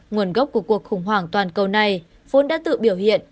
nguồn gốc của cuộc khủng hoảng toàn cầu này vốn đã tự biểu hiện